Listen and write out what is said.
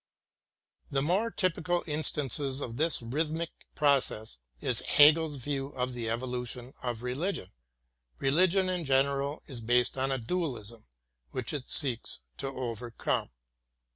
A more typical instance of this rhythmic process is Hegel's view of the evolution of religion. Eeligion, in gen eral, is based on a dualism which it seeks to overcome.